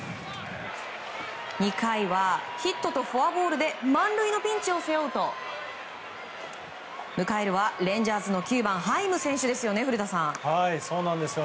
２回はヒットとフォアボールで満塁のピンチを背負うと迎えるはレンジャーズの９番ハイム選手ですよ、古田さん。